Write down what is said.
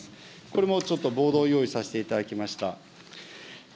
これもちょっとボードを用意させていただきました。